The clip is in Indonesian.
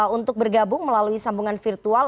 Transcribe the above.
untuk bergabung melalui sambungan virtual